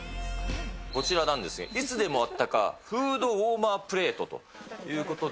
こちらなんですが、いつでもあったかフードウォーマープレートということで。